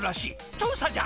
調査じゃ！